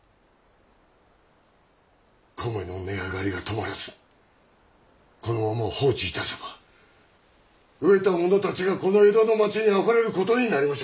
米の値上がりが止まらずこのまま放置いたせば飢えた者たちがこの江戸の町にあふれることになりましょう。